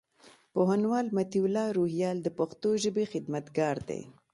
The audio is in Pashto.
پوهنوال مطيع الله روهيال د پښتو ژبي خدمتګار دئ.